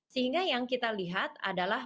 sehingga yang kita lihat adalah